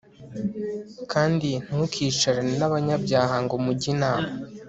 kandi ntukicarane n'abanyabyaha ngo mujye inama